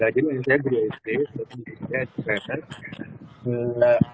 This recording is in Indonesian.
jadi yang saya diri di saint